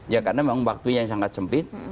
ya karena memang waktunya yang sangat sempit